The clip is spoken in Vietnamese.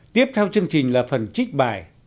tiếp theo chương trình là phần trích bài